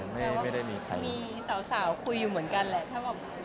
แต่ว่ามีสาวคุยอยู่เหมือนกันแหละ